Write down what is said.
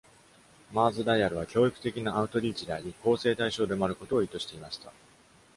マーズダイアル （MarsDial） は、教育的なアウトリーチであり、校正対象でもあることを意図していました。